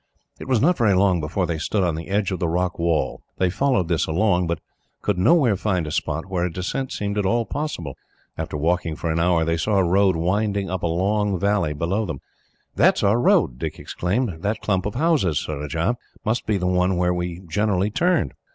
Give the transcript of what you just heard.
It was not very long before they stood on the edge of the rock wall. They followed this along, but could nowhere find a spot where a descent seemed at all possible. After walking for an hour, they saw a road winding up a long valley below them. "That is our road," Dick exclaimed. "That clump of houses, Surajah, must be the one where we generally turned.